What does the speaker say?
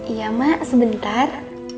iya mak sebentar